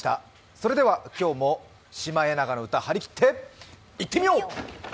それでは今日も「シマエナガの歌」張り切っていってみよう。